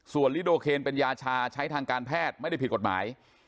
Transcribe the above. ส่วนลิโดเคนเป็นยาชาใช้ทางการแพทย์ไม่ได้ผิดกฎหมาย